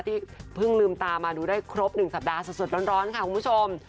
ที่เพิ่งลืมตามาดูได้ครบ๑สัปดาห์สดร้อนค่ะคุณผู้ชม